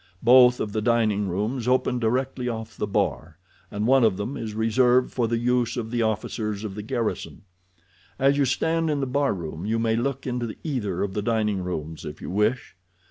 Both of the dining rooms open directly off the bar, and one of them is reserved for the use of the officers of the garrison. As you stand in the barroom you may look into either of the dining rooms if you wish.